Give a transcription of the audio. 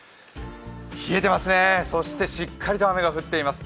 冷えてますね、そしてしっかりと雨が降っています。